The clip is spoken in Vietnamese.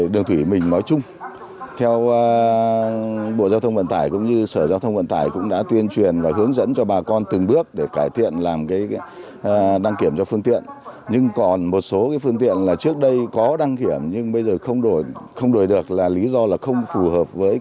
do người dân tự ý đong mới không theo tiêu chuẩn quy định